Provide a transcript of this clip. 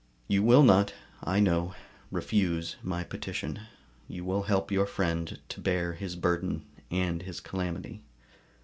You will not, I know, refuse my petition; you will help your friend to bear his burden and his calamity.